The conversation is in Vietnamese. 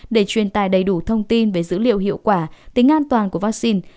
để truyền tài đầy đủ thông tin về dữ liệu hiệu quả tính an toàn của vaccine